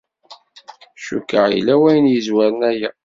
Cukkeɣ yella wayen yezwaren aya.